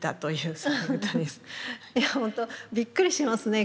いや本当びっくりしますね。